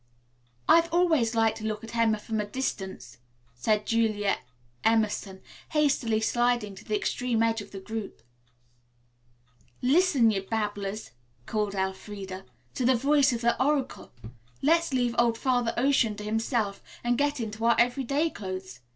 "I have always liked to look at Emma from a distance," said Julia Emerson, hastily sliding to the extreme edge of the group. "Listen, ye babblers," called Elfreda, "to the voice of the oracle. Let's leave old Father Ocean to himself and get into our everyday clothes.